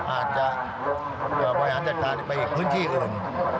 อาจจะไว้อาจจัดการไปอีกพื้นที่อื่น